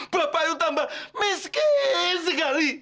bapak you tambah miskin sekali